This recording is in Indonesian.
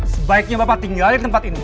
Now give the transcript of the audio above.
sebaiknya bapak tinggal di tempat ini